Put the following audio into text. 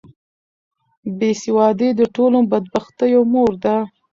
بې سوادي د ټولو بدبختیو مور ده.